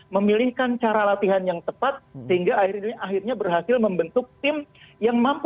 memilihkan cara latihan yang tepat sehingga akhirnya berhasil membentuk tim yang mampu